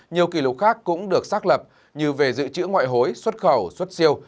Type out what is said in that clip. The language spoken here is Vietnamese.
nhiều kỷ lục khác cũng được xác lập như về dự trữ ngoại hối xuất khẩu xuất siêu